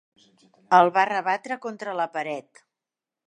El va rebatre contra la paret.